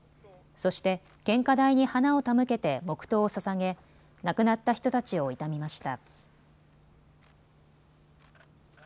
そして献花台に花を手向けて黙とうをささげ亡くなった人たちを悼みました。